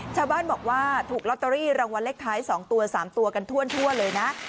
ชาวบ้านบอกว่าถูกลอตเตอรี่รางวัลเลขท้าย๒ตัว๓ตัวกันทั่วเลยนะ